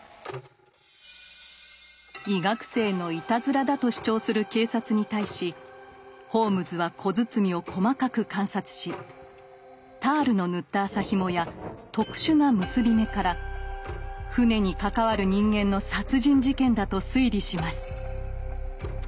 医学生のいたずらだと主張する警察に対しホームズは小包を細かく観察しタールの塗った麻ひもや特殊な結び目から船に関わる人間の殺人事件だと推理します。